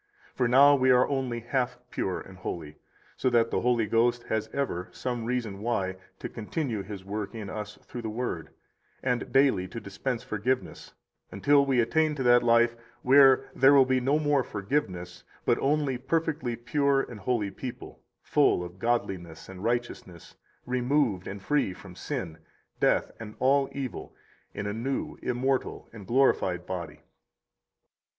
58 For now we are only half pure and holy, so that the Holy Ghost has ever [some reason why] to continue His work in us through the Word, and daily to dispense forgiveness, until we attain to that life where there will be no more forgiveness, but only perfectly pure and holy people, full of godliness and righteousness, removed and free from sin, death, and all evil, in a new, immortal, and glorified body.